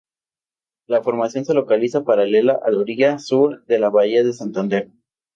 La formación se localiza paralela a la orilla sur de la bahía de Santander.